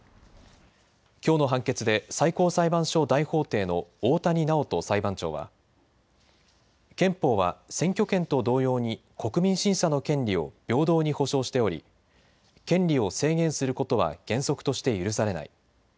きょうの判決で最高裁判所大法廷の大谷直人裁判長は憲法は選挙権と同様に国民審査の権利を平等に保障しており権利を制限することは原則として許されない。